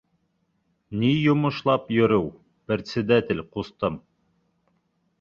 Ни йомошлап йөрөү, председатель ҡустым?